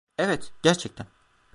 Evet, gerçekten.